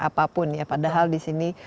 apapun ya padahal di sini